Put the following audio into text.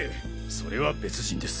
それは別人です。